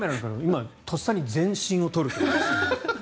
今、とっさに全身を撮るという。